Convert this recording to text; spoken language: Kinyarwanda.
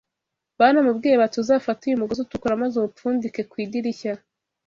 Baramubwiye bati uzafate uyu mugozi utukura maze uwupfundike ku idirishya